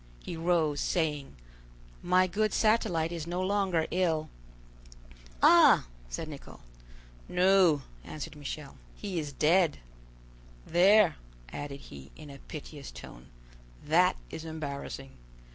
He rose, saying: "My good Satellite is no longer ill." "Ah!" said Nicholl. "No," answered Michel, "he is dead! There," added he, in a piteous tone, "that is embarrassing.